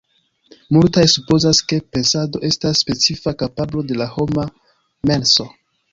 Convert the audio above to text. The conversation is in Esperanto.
Multaj supozas, ke pensado estas specifa kapablo de la homa menso.